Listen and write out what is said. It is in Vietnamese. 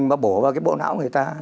mà bổ vào cái bộ não người ta